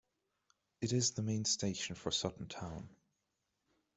It is the main station for Sutton town.